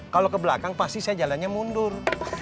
kalau ke belakang pasti saya jalannya mundur